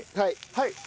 はい。